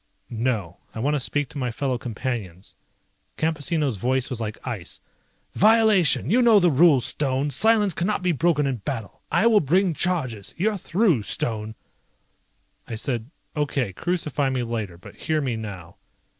"No. I want to speak to my fellow Companions." Campesino's voice was like ice. "Violation! You know the rules, Stone. Silence cannot be broken in battle. I will bring charges. You're through, Stone." I said, "Okay, crucify me later. But hear me now."